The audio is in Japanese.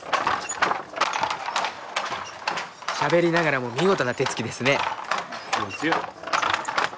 しゃべりながらも見事な手つきですね。